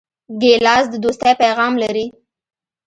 ګیلاس د دوستۍ پیغام لري.